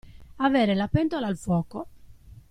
Avere la pentola al fuoco.